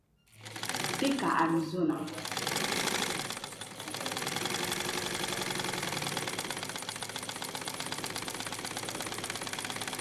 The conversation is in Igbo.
dịka 'arizona'